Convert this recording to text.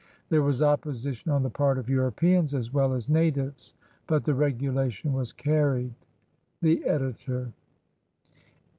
There was opposition on the part of Europeans as well as natives, but the regulation was carried. The Editor.